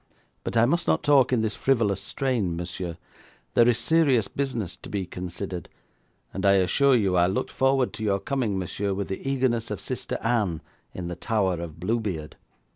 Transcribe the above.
But I must not talk in this frivolous strain, monsieur. There is serious business to be considered, and I assure you I looked forward to your coming, monsieur, with the eagerness of Sister Anne in the tower of Bluebeard.'